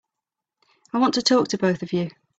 I want to talk to both of you.